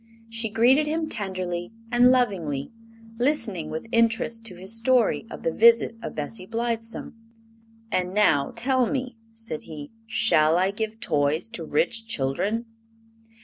She greeted him tenderly and lovingly, listening with interest to his story of the visit of Bessie Blithesome. "And now tell me," said he, "shall I give toys to rich children?"